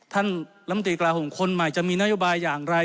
ท่านลำตีกราห่มคนใหม่จะมีนโยบายอย่างไร